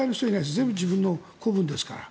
全部自分の子分ですから。